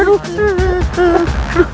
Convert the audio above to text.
aduh aduh aduh